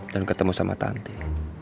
dan ketemu sama tanti